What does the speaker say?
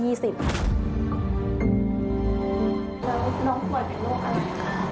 แล้วน้องป่วยเป็นโรคอะไรคะ